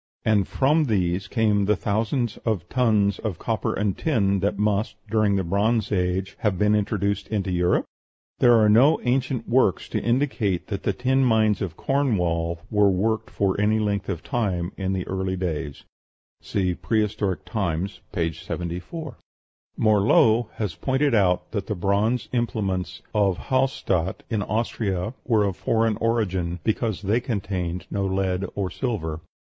And from these came the thousands of tons of copper and tin that must, during the Bronze Age, have been introduced into Europe? There are no ancient works to indicate that the tin mines of Cornwall were worked for any length of time in the early days (see "Prehistoric Times," p. 74). Morlot has pointed out that the bronze implements of Hallstadt, in Austria, were of foreign origin, because they contain no lead or silver.